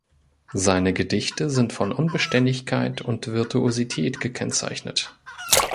Seine Gedichte sind von Unbeständigkeit und Virtuosität gekennzeichnet.